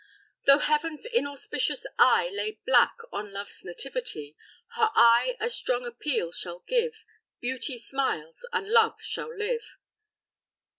Though heaven's inauspicious eye Lay black on love's nativity, Her eye a strong appeal shall give; Beauty smiles, and love shall live.